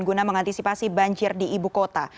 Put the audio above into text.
guna mengantisipasi banjir di ibu kota